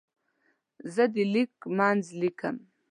زه د لیک منځ لیکم.